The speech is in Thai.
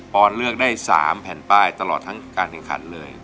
ออนเลือกได้๓แผ่นป้ายตลอดทั้งการแข่งขันเลย